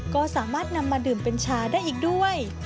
ก็สามารถนำมาดื่มเป็นชาได้อีกด้วย